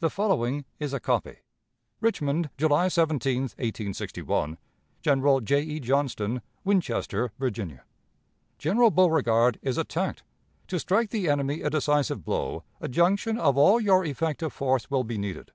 The following is a copy: "'Richmond, July 17, 1861. "'General J. E. Johnston, Winchester, Virginia. "'General Beauregard is attacked. To strike the enemy a decisive blow, a junction of all your effective force will be needed.